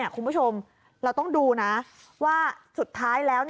คุณผู้ชมเราต้องดูนะว่าสุดท้ายแล้ว